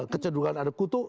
kecedungan ada kutu